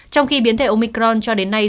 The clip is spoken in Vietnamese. trong khi biến thể omicron cho đến nay